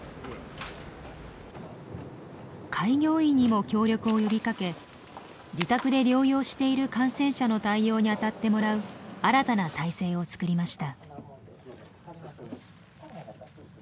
開業医にも協力を呼びかけ自宅で療養している感染者の対応に当たってもらう新たな体制を作りました。